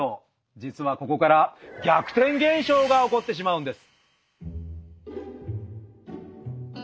実はここから逆転現象が起こってしまうんです！